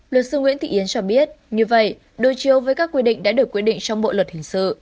luật sư nguyễn thị yến cho biết như vậy đối chiếu với các quy định đã được quy định trong bộ luật hình sự